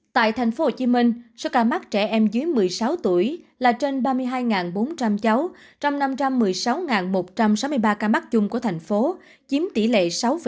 tại tp hcm số ca mắc trẻ em dưới một mươi sáu tuổi là trên ba mươi hai bốn trăm linh cháu trong năm trăm một mươi sáu một trăm sáu mươi ba ca mắc chung của thành phố chiếm tỷ lệ sáu